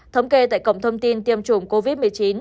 thống kê tại cổng thông tin tiêm chủng covid một mươi chín